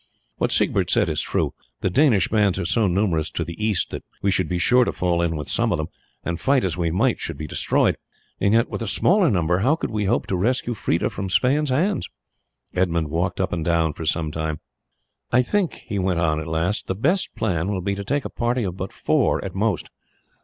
What Siegbert said is true. The Danish bands are so numerous to the east that we should be sure to fall in with some of them, and fight as we might, should be destroyed; and yet with a smaller number how could we hope to rescue Freda from Sweyn's hands?" Edmund walked up and down for some time. "I think," he went on at last, "the best plan will be to take a party of but four at most.